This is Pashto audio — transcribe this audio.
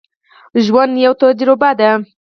ژوند یوه تجربه ده.